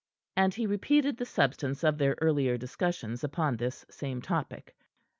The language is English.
And he repeated the substance of their earlier discussions upon this same topic.